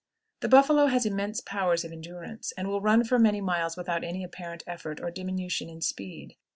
The buffalo has immense powers of endurance, and will run for many miles without any apparent effort or diminution in speed.